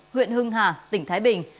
huyện hưng hà tỉnh thái bình